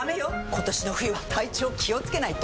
今年の冬は体調気をつけないと！